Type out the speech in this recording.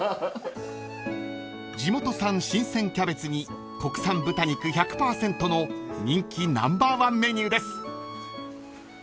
［地元産新鮮キャベツに国産豚肉１００％の人気ナンバーワンメニューです］